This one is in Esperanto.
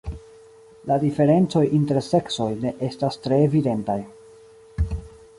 La diferencoj inter seksoj ne estas tre evidentaj.